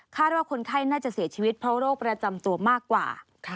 ว่าคนไข้น่าจะเสียชีวิตเพราะโรคประจำตัวมากกว่า